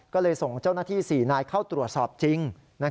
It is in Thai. ก็เลยส่งเจ้าหน้าที่๔นายเข้าตรวจสอบจริง